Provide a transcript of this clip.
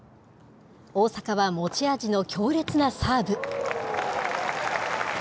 大坂は持ち味の強烈なサーブ。